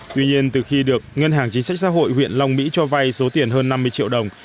tuy nhiên từ khi được ngân hàng chính sách xã hội huyện long mỹ cho vay số tiền hơn năm mươi triệu đồng